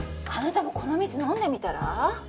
あなたもこの水飲んでみたら？